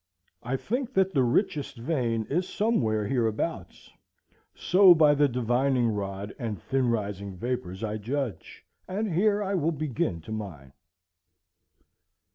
I think that the richest vein is somewhere hereabouts; so by the divining rod and thin rising vapors I judge; and here I will begin to mine.